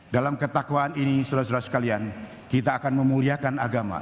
dalam ketakwaan ini saudara saudara sekalian kita akan memuliakan agama